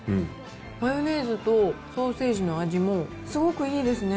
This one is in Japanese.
マヨネーズとソーセージの味もすごくいいですね。